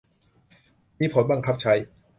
มีผลบังคับใช้